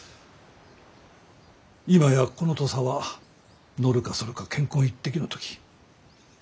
今やこの土佐はのるかそるか乾坤一擲の時。